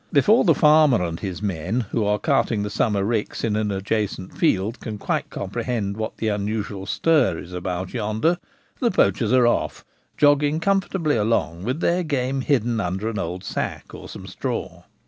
Before the farmer and his men, who are carting the summer ricks in an ad jacent field, can quite comprehend what the unusual stir is about yonder, the poachers are off, jogging A Cart load of Game. 159 comfortably along, with their game hidden under an old sack or some straw.